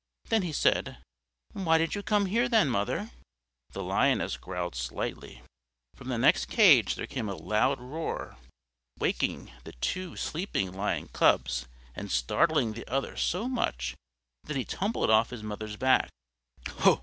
Then he said, "Why did you come here, then, mother?" The Lioness growled slightly. From the next cage there came a loud roar, waking the two sleeping Lion Cubs, and startling the other so much that he tumbled off his mother's back.